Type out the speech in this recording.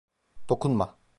Dokunma.